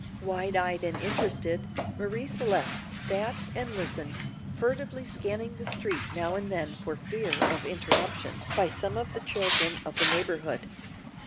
Wide eyed and interested, Marie Celeste sat and listened, furtively scanning the street now and then for fear of interruption by some of the children of the neighborhood.